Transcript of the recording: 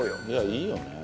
いいよね。